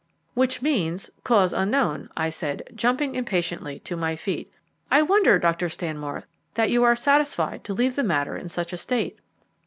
"Which means, cause unknown," I said, jumping impatiently to my feet. "I wonder, Dr. Stanmore, that you are satisfied to leave the matter in such a state."